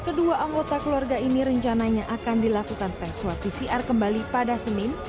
kedua anggota keluarga ini rencananya akan dilakukan tes swab pcr kembali pada senin